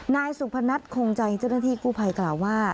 นายสุพนัทคงใจเจ้าหน้าที่กู้ภัยกล่าวว่า